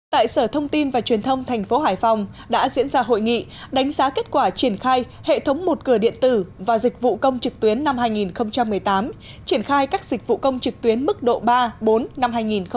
tại sở thông tin và truyền thông thành phố hải phòng đã diễn ra hội nghị đánh giá kết quả triển khai hệ thống một cửa điện tử và dịch vụ công trực tuyến năm hai nghìn một mươi tám triển khai các dịch vụ công trực tuyến mức độ ba bốn năm hai nghìn một mươi tám